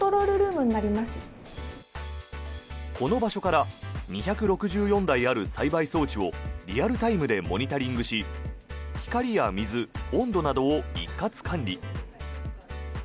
この場所から２６４台ある栽培装置をリアルタイムでモニタリングし光や水、温度などを一括管理。